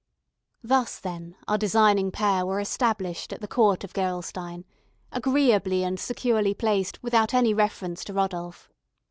Thus, then, our designing pair were established at the court of Gerolstein, agreeably and securely placed without any reference to Rodolph.